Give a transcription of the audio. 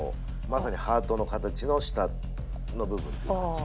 まさにハートの形の下の部分っていう感じ。